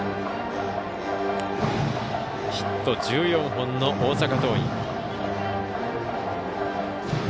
ヒット１４本の大阪桐蔭。